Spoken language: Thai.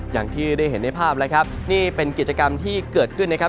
อย่างที่ได้เห็นในภาพแล้วครับนี่เป็นกิจกรรมที่เกิดขึ้นนะครับ